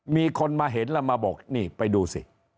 มีคนมาเห็นแล้วมาบอกนี่ไปดูสิ